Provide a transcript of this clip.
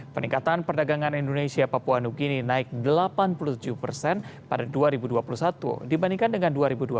peningkatan perdagangan indonesia papua new guine naik delapan puluh tujuh persen pada dua ribu dua puluh satu dibandingkan dengan dua ribu dua puluh